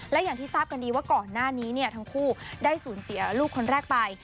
และอย่างที่ทราบกันดีว่าก่อนหน้านี้ทั้งคู่ได้สูญเสียลูกคนแรกไป